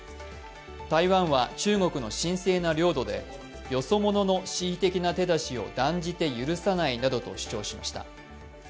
台湾は中国の神聖な領土でよそ者の恣意的な手出しを断じて許さないなどと主張しました。